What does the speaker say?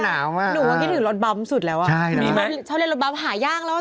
หนูก็คิดถึงรถบั๊มสุดแล้วอ่ะชอบเล่นรถบั๊มหายากแล้ว